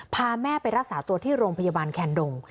พาแม่ไปรักษาตัวที่โรงพยาบาลแคนดง